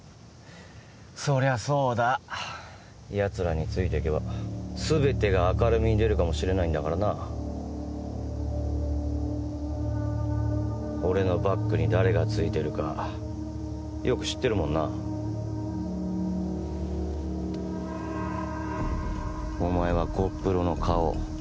そりゃそうだやつらについていけば全てが明るみに出るかもしれないんだからな俺のバックに誰がついてるかよく知ってるもんなお前はゴップロの顔